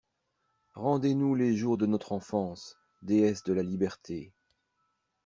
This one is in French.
Rendez-nous les jours de notre enfance, Déesse de la Liberté!